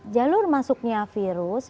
jalur masuknya virus